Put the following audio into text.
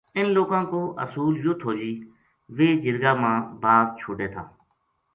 انھ لوکاں کو اصول یوہ تھو جی ویہ جرگا ما باز چھوڈے تھا